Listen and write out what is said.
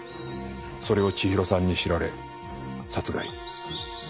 それを千尋さんに知られ殺害。